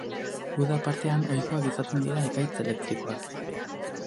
Uda partean ohikoak izaten dira ekaitz elektrikoak.